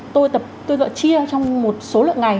tôi gọi chia trong một số lượng ngày